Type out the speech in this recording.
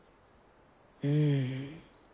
うん。